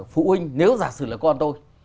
phụ huynh nếu giả sử là con tôi